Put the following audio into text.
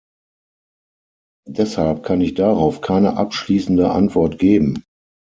Deshalb kann ich darauf keine abschließende Antwort geben.